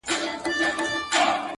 او باقاعده امتیازات پر اخلي